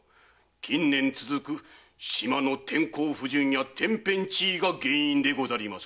近年続く島の天候不順や天変地異が原因でござりまする。